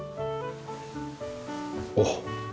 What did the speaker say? おっ。